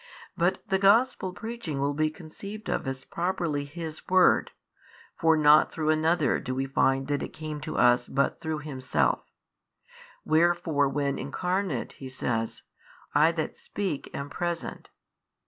But the Gospel preaching will be conceived of as properly His Word (for not through another do we find that it came to us but through Himself) wherefore when Incarnate He says, I That speak am present.